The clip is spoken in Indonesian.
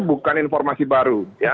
bukan informasi baru